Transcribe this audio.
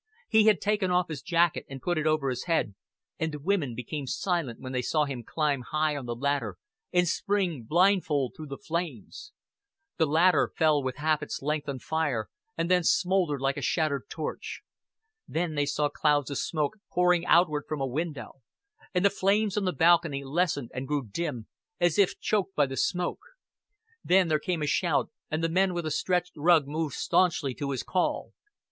He had taken off his jacket and put it over his head, and the women became silent when they saw him climb high on the ladder and spring blindfold through the flames. The ladder fell with half its length on fire and then smoldered like a shattered torch. Then they saw clouds of smoke pouring outward from a window; and the flames on the balcony lessened and grew dim, as if choked by the smoke. Then there came a shout, and the men with the stretched rug moved stanchly to his call.